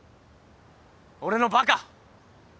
俺のバカ！